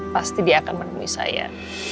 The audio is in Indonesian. pasti dia akan menemui saya